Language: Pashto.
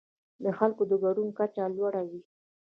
د خلکو د ګډون کچه لوړه وي.